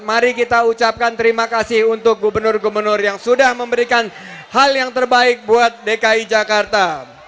mari kita ucapkan terima kasih untuk gubernur gubernur yang sudah memberikan hal yang terbaik buat dki jakarta